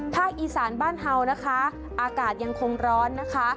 อีสานบ้านเฮานะคะอากาศยังคงร้อนนะคะ